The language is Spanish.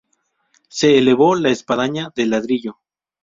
Se elevó la espadaña de ladrillo.